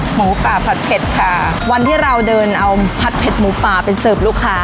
หมูป่าผัดเผ็ดค่ะวันที่เราเดินเอาผัดเผ็ดหมูป่าไปเสิร์ฟลูกค้า